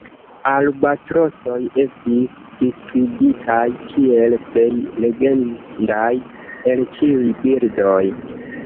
Albatrosoj estis priskribitaj kiel "plej legendaj el ĉiuj birdoj".